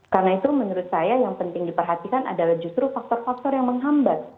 karena itu menurut saya yang penting diperhatikan adalah justru faktor faktor yang menghambat